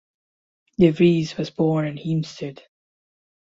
De Vries was born in Heemstede.